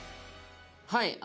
はい。